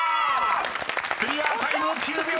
［クリアタイム９秒４７！］